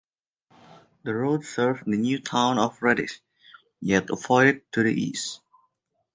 The road serves the new town of Redditch, yet avoids it to the East.